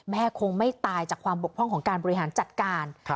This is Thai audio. คงไม่ตายจากความบกพร่องของการบริหารจัดการ